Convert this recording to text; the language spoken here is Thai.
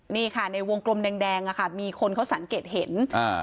นี่ค่ะในวงกลมแดงแดงอะค่ะมีคนเขาสังเกตเห็นอ่า